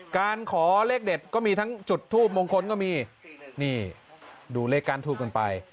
การขอเลขเด็ดก็มีทั้งจุดทูปมงคลก็มีนี่ดูเลขก้านทูบกันไป